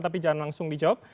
tapi jangan langsung dijawab